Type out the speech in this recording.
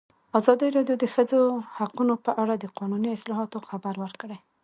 ازادي راډیو د د ښځو حقونه په اړه د قانوني اصلاحاتو خبر ورکړی.